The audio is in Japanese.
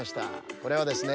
これはですね